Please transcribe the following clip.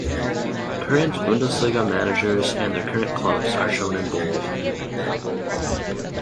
Current Bundesliga managers and their current clubs are shown in bold.